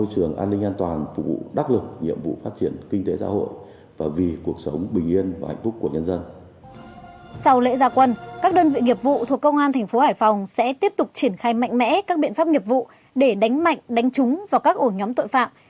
sau lễ gia quân các đơn vị nghiệp vụ thuộc công an thành phố hải phòng sẽ tiếp tục triển khai mạnh mẽ các biện pháp nghiệp vụ để đánh mạnh đánh trúng vào các ổ nhóm tội phạm